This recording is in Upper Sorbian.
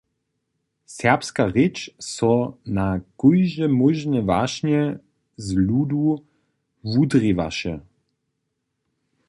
Serbska rěč so na kóžde móžne wašnje z ludu wudrěwaše.